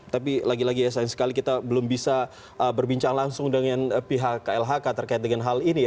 tapi lagi lagi ya sayang sekali kita belum bisa berbincang langsung dengan pihak klhk terkait dengan hal ini